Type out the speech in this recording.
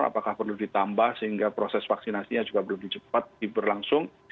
apakah perlu ditambah sehingga proses vaksinasinya juga lebih cepat diberlangsung